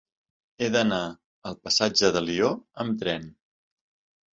He d'anar al passatge d'Alió amb tren.